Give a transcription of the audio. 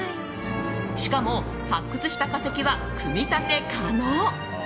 しかも発掘した化石は組み立て可能。